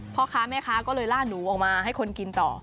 พ่อค้าแม่ค้าก็เลยล่าหนูออกมาให้คนกินต่อ